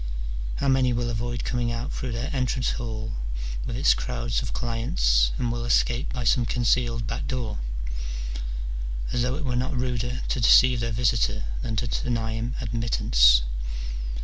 how many will avoid coming out through their entrance hall with its crowds of clients, and will escape by some concealed back door ? as though it were not ruder to deceive their visitor than to deny him admittance